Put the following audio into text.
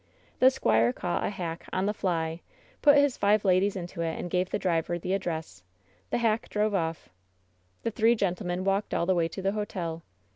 The squire caught a hack "on the fly," put his five ladies into it and gave the driver the address. The hack drove off. The three gentlemen walked all the way to the hotel.